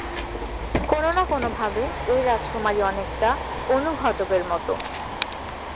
কোন না কোন ভাবে এই রাজকুমারী অনেকটা অনুঘটকের মত।